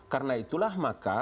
karena itulah maka